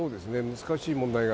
難しい問題が。